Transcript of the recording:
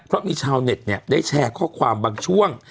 เพราะมีชาวเน็ตเนี่ยได้แชร์ข้อความบางช่วง